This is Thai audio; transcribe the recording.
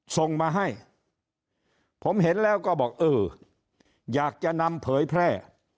ส่งมาให้ผมเห็นแล้วก็บอกเอออยากจะนำเผยแพร่